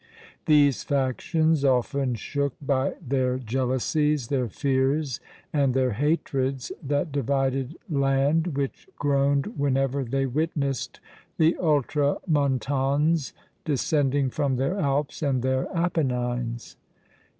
These factions often shook, by their jealousies, their fears, and their hatreds, that divided land, which groaned whenever they witnessed the "Ultramontanes" descending from their Alps and their Apennines.